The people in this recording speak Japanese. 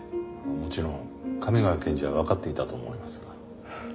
もちろん亀ヶ谷検事はわかっていたと思いますが。